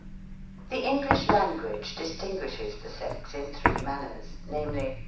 The English language distinguishes the sex in three manners ; namely, 1.